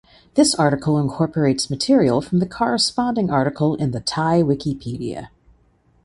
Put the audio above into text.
This article incorporates material from the corresponding article in the Thai Wikipedia.